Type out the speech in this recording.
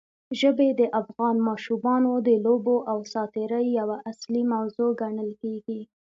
ژبې د افغان ماشومانو د لوبو او ساتېرۍ یوه اصلي موضوع ګڼل کېږي.